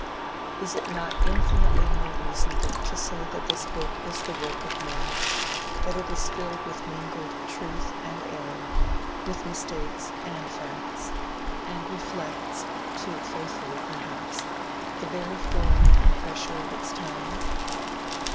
Is it not infinitely more reasonable to say that this book is the work of man, that it is filled with mingled truth and error, with mistakes and facts, and reflects, too faithfully perhaps, the "very form and pressure of its time?"